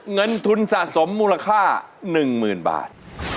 เงินทุนสะสมมูลค่า๑๐๐๐บาท